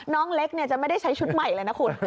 น้องเล็กจะไม่ได้ใช้ชุดใหม่เลยนะคุณ